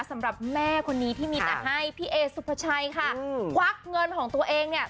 สำหรับแม่คนนี้ที่มีแต่ให้พี่เอสุภาชัยค่ะควักเงินของตัวเองเนี่ย